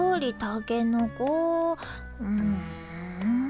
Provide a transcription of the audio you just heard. うん。